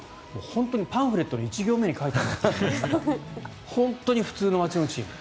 本当にパンフレットの１行目に書いてあるような本当に普通の街のチーム。